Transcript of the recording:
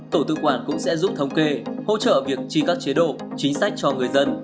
tổ tự quản cũng sẽ giúp thống kê hỗ trợ việc chi các chế độ chính sách cho người dân